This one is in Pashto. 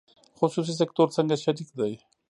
خصوصي سکتور څنګه شریک دی؟